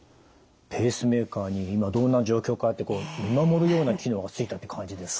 ペースメーカーに今どんな状況かって見守るような機能がついたって感じですか？